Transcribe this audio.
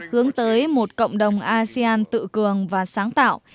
hướng tới một cộng đồng asean tự cường và sáng tạo